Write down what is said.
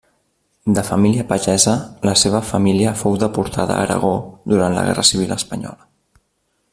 De família pagesa, la seva família fou deportada a Aragó durant la guerra civil espanyola.